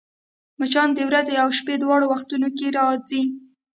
مچان د ورځي او شپې دواړو وختونو کې راځي